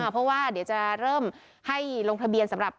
เพราะว่าเดี๋ยวจะเริ่มให้ลงทะเบียนสำหรับ